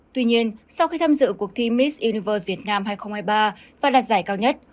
tuy nhiên sau khi tham dự cuộc thi miss univer việt nam hai nghìn hai mươi ba và đạt giải cao nhất